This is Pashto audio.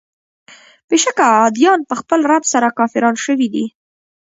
بېشکه عادیان په خپل رب سره کافران شوي دي.